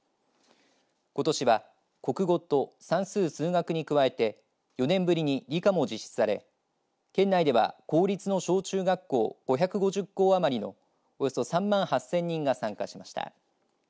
ことしは国語と算数・数学に加えて４年ぶりに理科も実施され県内では公立の小中学校５５０校余りのおよそ３万８０００人が参加しました。